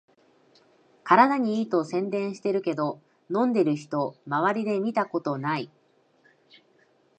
体にいいと宣伝してるけど、飲んでる人まわりで見たことない